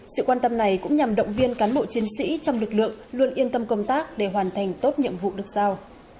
sự quan tâm này cũng nhằm động viên cán bộ chiến sĩ trong lực lượng luôn yên tâm công tác để hoàn thành tốt nhiệm vụ được giao